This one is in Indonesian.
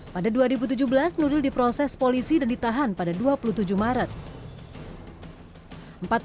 pada dua ribu tujuh belas nuril diproses polisi dan ditahan pada dua puluh tujuh maret